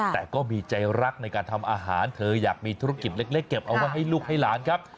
แต่ก็มีใจรักในการทำอาหารเธออยากมีธุรกิจเล็กเก็บเอาไว้ให้ลูกให้หลานครับ